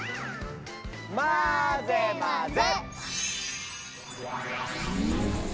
まぜまぜ！